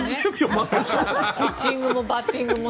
ピッチングもバッティングも。